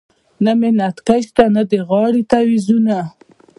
نه مې نتکې شته نه د غاړې تعویذونه .